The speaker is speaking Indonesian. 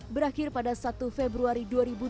berakhir pada satu februari dua ribu dua puluh